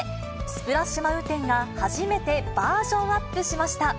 スプラッシュ・マウンテンが初めてバージョンアップしました。